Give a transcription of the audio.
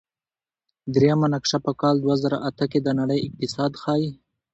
دریمه نقشه په کال دوه زره اته کې د نړۍ اقتصاد ښيي.